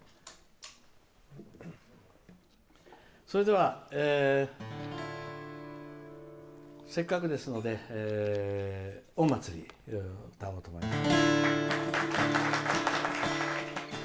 それではせっかくですので「おんまつり」を歌おうと思います。